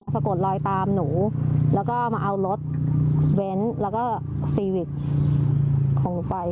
สะกดลอยตามหนูแล้วก็มาเอารถเว้นแล้วก็ซีวิกของหนูไป